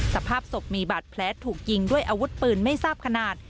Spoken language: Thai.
สภาพศพมีบาดแผลถูกยิงด้วยอาวุธปืนไม่ทราบขนาด